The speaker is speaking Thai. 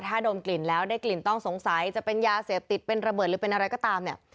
ถ้าดมกลิ่นแล้วได้กลิ่นต้องสงสัยจะเป็นยาเสพติดเป็นระเบิดหรือเป็นอะไรก็ตามเนี่ย